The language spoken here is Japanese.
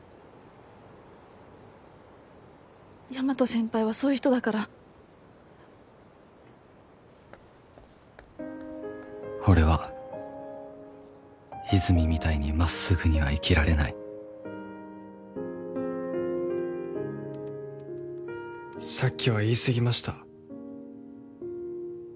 大和先輩はそういう人だから俺は和泉みたいにまっすぐには生きられない「さっきは言い過ぎました」